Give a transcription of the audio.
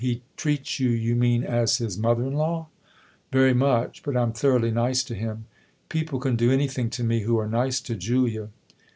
" He treats you, you mean, as his mother in law ?"" Very much. But I'm thoroughly nice to him. People can do anything to me who are nice to Julia."